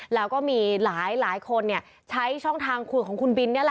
แล้วก็มีหลายคนใช้ช่องทางคุยของคุณบิน